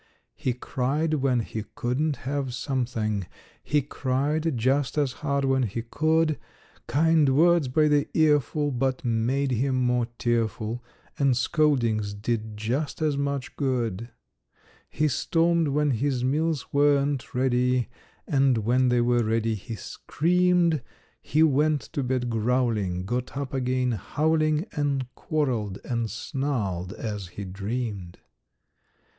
He cried when he couldn't have something; He cried just as hard when he could; Kind words by the earful but made him more tearful, And scoldings did just as much good. He stormed when his meals weren't ready, And when they were ready, he screamed. He went to bed growling, got up again howling And quarreled and snarled as he dreamed.